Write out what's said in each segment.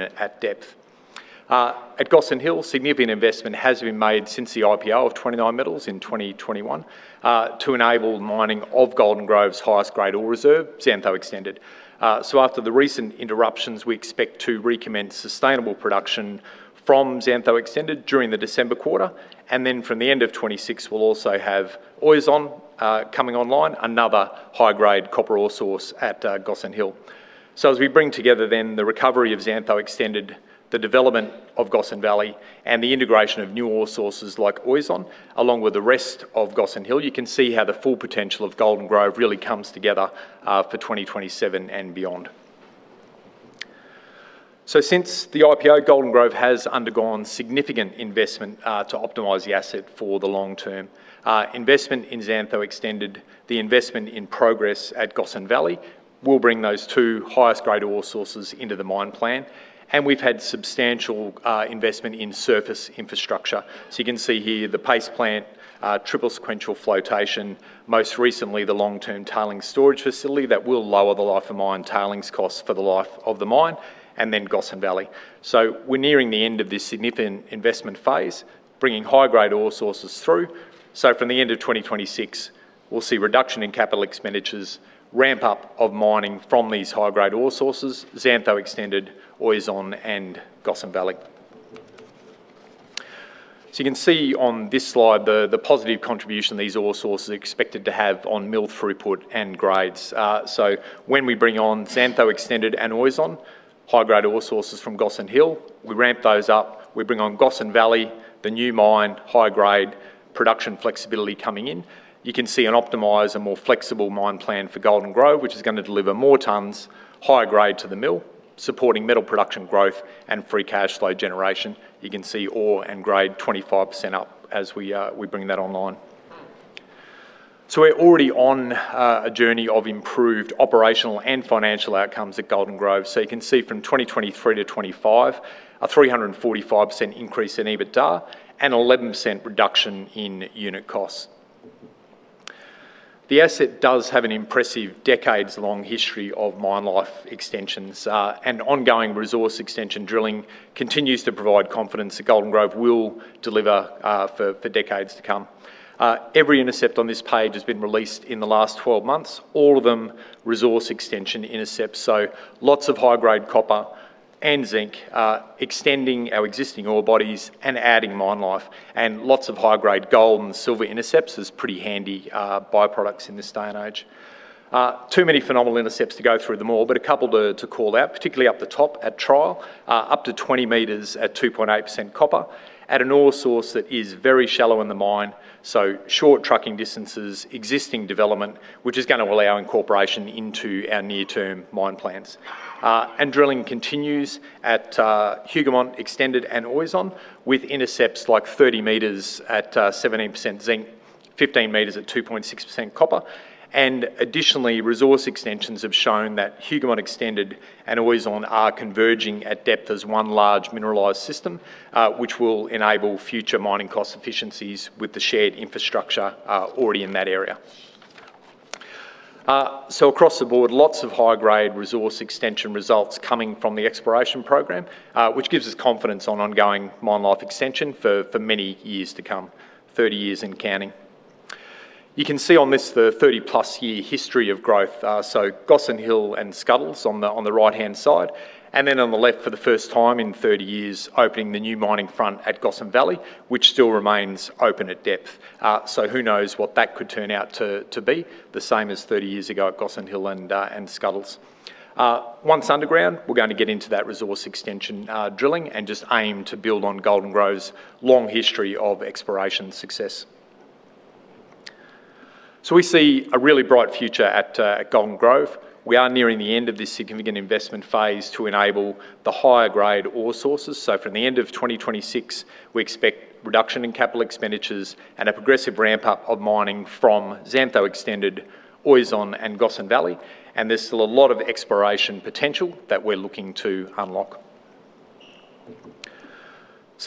At depth at Gossan Hill, significant investment has been made since the IPO of 29Metals in 2021 to enable mining of Golden Grove's highest-grade ore reserve, Xantho Extended. After the recent interruptions, we expect to recommence sustainable production from Xantho Extended during the December quarter. From the end of 2026, we will also have Oizon coming online, another high-grade copper ore source at Gossan Hill. As we bring together the recovery of Xantho Extended, the development of Gossan Valley, and the integration of new ore sources like Oizon, along with the rest of Gossan Hill, you can see how the full potential of Golden Grove really comes together for 2027 and beyond. Since the IPO, Golden Grove has undergone significant investment to optimize the asset for the long term. Investment in Xantho Extended, the investment in progress at Gossan Valley will bring those two highest-grade ore sources into the mine plan. We have had substantial investment in surface infrastructure. You can see here the PACE plant, triple sequential flotation, most recently the long-term tailings storage facility that will lower the life of mine tailings costs for the life of the mine, and then Gossan Valley. We are nearing the end of this significant investment phase, bringing high-grade ore sources through. From the end of 2026, we will see a reduction in capital expenditures, ramp up of mining from these high-grade ore sources, Xantho Extended, Oizon, and Gossan Valley. You can see on this slide the positive contribution these ore sources are expected to have on mill throughput and grades. When we bring on Xantho Extended and Oizon, high-grade ore sources from Gossan Hill, we ramp those up. We bring on Gossan Valley, the new mine, high-grade production flexibility coming in. You can see an optimized and more flexible mine plan for Golden Grove, which is going to deliver more tons, higher grade to the mill, supporting metal production growth and free cash flow generation. You can see ore and grade 25% up as we bring that online. We are already on a journey of improved operational and financial outcomes at Golden Grove. You can see from 2023 to 2025, a 345% increase in EBITDA and 11% reduction in unit costs. The asset does have an impressive decades-long history of mine life extensions, and ongoing resource extension drilling continues to provide confidence that Golden Grove will deliver for decades to come. Every intercept on this page has been released in the last 12 months, all of them resource extension intercepts. Lots of high-grade copper and zinc extending our existing ore bodies and adding mine life and lots of high-grade gold and silver intercepts as pretty handy byproducts in this day and age. Too many phenomenal intercepts to go through them all, but a couple to call out, particularly up the top at Tryall, up to 20 m at 2.8% copper at an ore source that is very shallow in the mine, short trucking distances, existing development, which is going to allow incorporation into our near-term mine plans. Drilling continues at Hougoumont Extended and Oizon with intercepts like 30 m at 17% zinc, 15 m at 2.6% copper. Additionally, resource extensions have shown that Hougoumont Extended and Oizon are converging at depth as one large mineralized system, which will enable future mining cost efficiencies with the shared infrastructure already in that area. Across the board, lots of high-grade resource extension results coming from the exploration program, which gives us confidence on ongoing mine life extension for many years to come. 30 years and counting. You can see on this the 30+ year history of growth. Gossan Hill and Scuddles on the right-hand side. On the left, for the first time in 30 years, opening the new mining front at Gossan Valley, which still remains open at depth. Who knows what that could turn out to be? The same as 30 years ago at Gossan Hill and Scuddles. Once underground, we're going to get into that resource extension drilling and just aim to build on Golden Grove's long history of exploration success. We see a really bright future at Golden Grove. We are nearing the end of this significant investment phase to enable the higher-grade ore sources. From the end of 2026, we expect a reduction in capital expenditures and a progressive ramp-up of mining from Xantho Extended, Oizon, and Gossan Valley. There's still a lot of exploration potential that we're looking to unlock.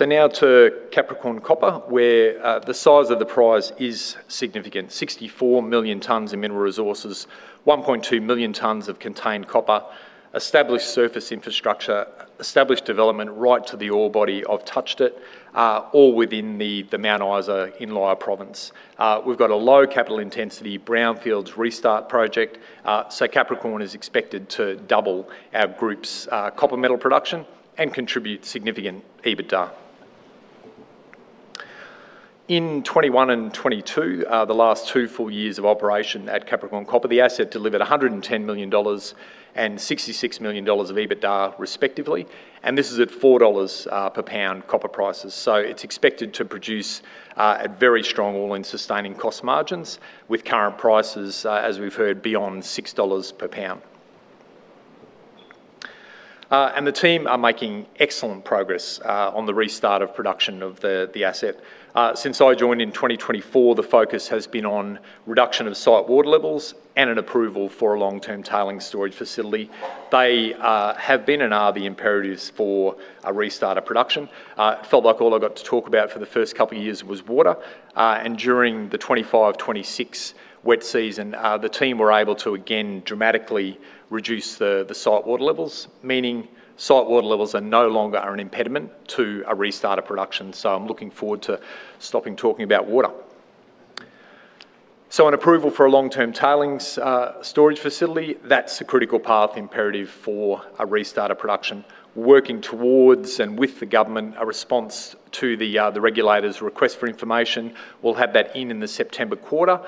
Now to Capricorn Copper, where the size of the prize is significant. 64 million tonnes in mineral resources, 1.2 million tonnes of contained copper, established surface infrastructure, established development right to the ore body of Touched It, all within the Mount Isa Inlier Province. We've got a low capital intensity brownfields restart project. Capricorn is expected to double our group's copper metal production and contribute significant EBITDA. In 2021 and 2022, the last two full years of operation at Capricorn Copper, the asset delivered 110 million dollars and 66 million dollars of EBITDA respectively, and this is at $4 per pound copper prices. It's expected to produce a very strong all-in sustaining cost margins with current prices, as we've heard, beyond $6 per pound. The team are making excellent progress on the restart of production of the asset. Since I joined in 2024, the focus has been on reduction of site water levels and an approval for a long-term tailings storage facility. They have been and are the imperatives for a restart of production. It felt like all I got to talk about for the first couple of years was water. During the 2025, 2026 wet season, the team were able to again dramatically reduce the site water levels, meaning site water levels are no longer an impediment to a restart of production. I'm looking forward to stopping talking about water. An approval for a long-term tailings storage facility, that's a critical path imperative for a restart of production. Working towards and with the government, a response to the regulator's request for information. We'll have that in the September quarter.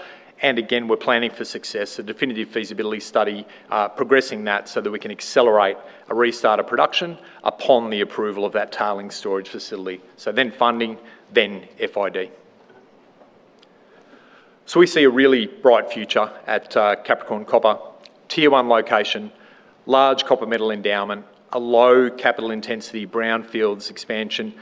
Again, we're planning for success. A definitive feasibility study, progressing that so that we can accelerate a restart of production upon the approval of that tailings storage facility. Then funding, then FID. We see a really bright future at Capricorn Copper. Tier 1 location, large copper metal endowment, a low capital intensity brownfields expansion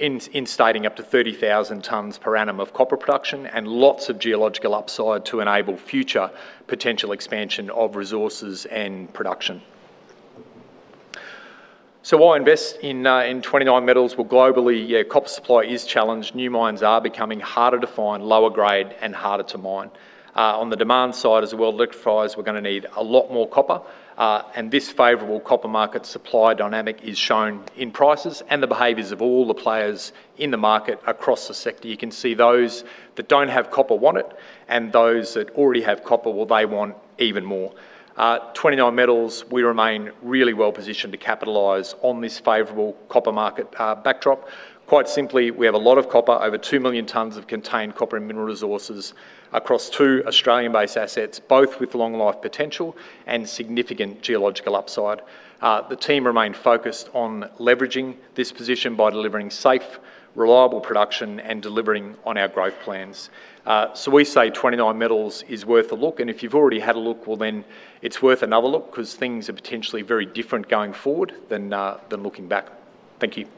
instating up to 30,000 tons per annum of copper production, and lots of geological upside to enable future potential expansion of mineral resources and production. Why invest in 29Metals? Well, globally, copper supply is challenged. New mines are becoming harder to find, lower grade, and harder to mine. On the demand side as well, electrifiers we're going to need a lot more copper. This favorable copper market supply dynamic is shown in prices and the behaviors of all the players in the market across the sector. You can see those that don't have copper want it, and those that already have copper, well, they want even more. 29Metals, we remain really well-positioned to capitalize on this favorable copper market backdrop. Quite simply, we have a lot of copper, over two million tons of contained copper and mineral resources across two Australian-based assets, both with long life potential and significant geological upside. The team remain focused on leveraging this position by delivering safe, reliable production and delivering on our growth plans. We say 29Metals is worth a look and if you've already had a look, well, it's worth another look because things are potentially very different going forward than looking back. Thank you.